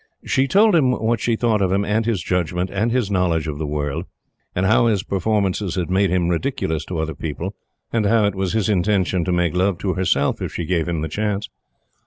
She told him what she thought of him and his judgment and his knowledge of the world; and how his performances had made him ridiculous to other people; and how it was his intention to make love to herself if she gave him the chance.